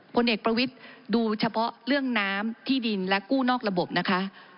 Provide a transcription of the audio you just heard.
ผลเอกประวิทย์ดูเฉพาะเรื่องน้ำที่ดินและกู้นอกระบบนะคะ